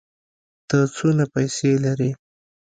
ته څونه پېسې لرې؟